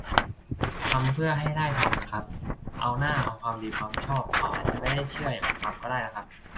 ทำเพื่อให้ได้ทำน่ะครับ เอาหน้า เอาความดีความชอบ เขาอาจจะไม่ได้เชื่ออย่างทำก็ได้น่ะครับ